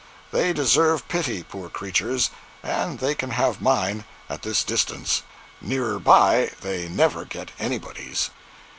They deserve pity, poor creatures; and they can have mine—at this distance. Nearer by, they never get anybody's.